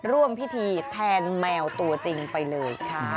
ร่วมพิธีแทนแมวตัวจริงไปเลยค่ะ